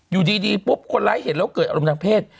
อยู่ดีปุ๊บคนร้ายเห็นแล้วเกิดอารมณ์ทางเพศ